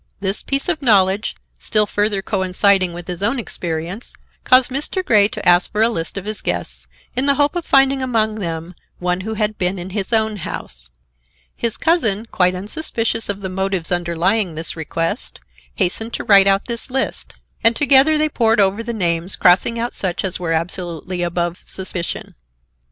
This piece of knowledge, still further coinciding with his own experience, caused Mr. Grey to ask for a list of his guests, in the hope of finding among them one who had been in his own house. His cousin, quite unsuspicious of the motives underlying this request, hastened to write out this list, and together they pored over the names, crossing out such as were absolutely above suspicion.